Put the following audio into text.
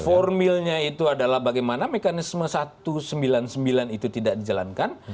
formilnya itu adalah bagaimana mekanisme satu ratus sembilan puluh sembilan itu tidak dijalankan